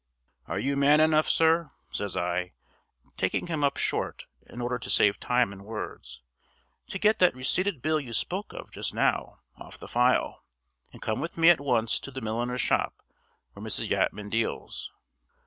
"Are you man enough, sir," says I, taking him up short, in order to save time and words, "to get that receipted bill you spoke of just now off the file, and come with me at once to the milliner's shop where Mrs. Yatman deals?"